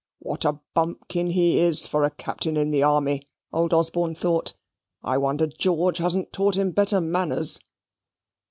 "What a bumpkin he is for a Captain in the army," old Osborne thought. "I wonder George hasn't taught him better manners."